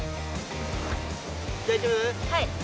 はい。